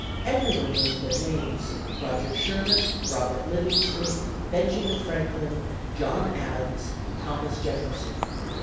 Everyone knows their names: Roger Sherman, Robert Livingston, Benjamin Franklin, John Adams, Thomas Jefferson.